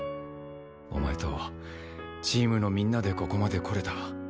お前とチームのみんなでここまで来れた。